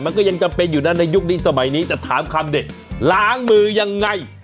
มันก็ยังจำเป็นอยู่นะในยุคนี้สมัยนี้แต่ถามคำเด็ดล้างมือยังไง